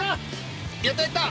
やったやった！